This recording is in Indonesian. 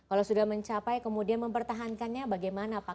apakah yang kemudian mempertahankannya bagaimana pak